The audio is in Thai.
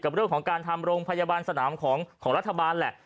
เรื่องของการทำโรงพยาบาลสนามของรัฐบาลแหละ